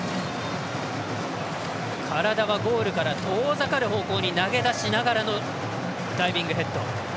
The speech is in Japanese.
体はゴールから遠ざかる方向に投げ出しながらのダイビングヘッド。